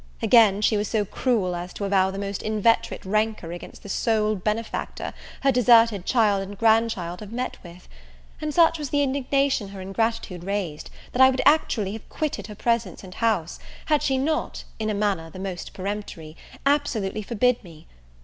Again, she was so cruel as to avow the most inveterate rancour against the sole benefactor her deserted child and grand child have met with; and such was the indignation her ingratitude raised, that I would actually have quitted her presence and house, had she not, in a manner the most peremptory, absolutely forbid me.